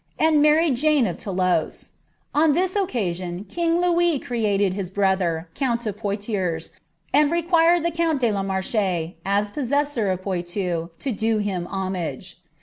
and married Janeof Thoulouse; en this occasion king Louis created his brother, count of Poictiers, and nqoiml llie count de la Marche, as possessor of Poitou, to do him homage.